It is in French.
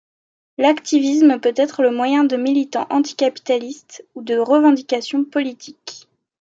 L'hacktivisme peut être le moyen de militants anticapitalistes ou de revendications politiques.